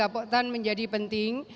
poktan menjadi penting